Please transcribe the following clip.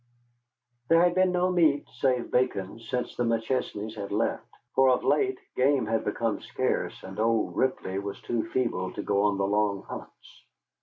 There had been no meat save bacon since the McChesneys had left, for of late game had become scarce, and old Mr. Ripley was too feeble to go on the long hunts.